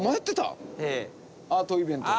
アートイベント。